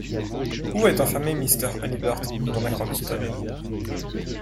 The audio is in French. Où est enfermé Mr. Halliburtt? demanda Crockston.